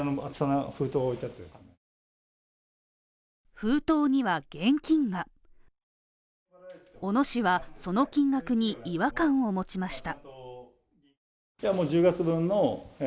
封筒には現金が小野氏はその金額に違和感を持ちました。